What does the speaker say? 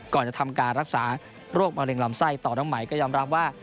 ก่อนจะทำการรักษาโรคมะเร็งลำไส้ต่อน้องไหมก็ยอมรับว่า